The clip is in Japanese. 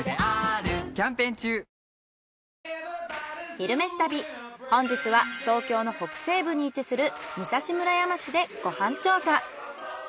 「昼めし旅」本日は東京の北西部に位置する武蔵村山市でご飯調査。